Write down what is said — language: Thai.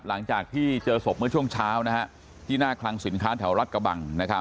หลังจากที่เจอศพเมื่อช่วงเช้าที่หน้าคลังสินค้าแถวรัฐกระบัง